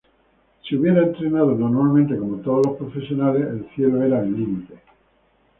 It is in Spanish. Si hubiera entrenado normalmente como todos los profesionales, el cielo era el límite"".